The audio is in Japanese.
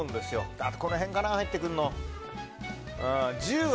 あとこの辺かな入ってくるのは。